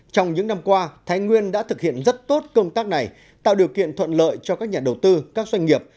trong những năm qua thái nguyên đã thực hiện rất tốt công tác này tạo điều kiện thuận lợi cho các nhà đầu tư các doanh nghiệp